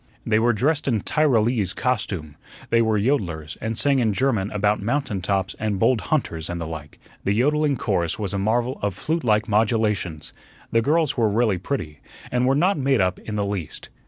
They were dressed in Tyrolese costume; they were yodlers, and sang in German about "mountain tops" and "bold hunters" and the like. The yodling chorus was a marvel of flute like modulations. The girls were really pretty, and were not made up in the least.